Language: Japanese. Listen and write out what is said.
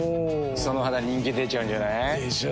その肌人気出ちゃうんじゃない？でしょう。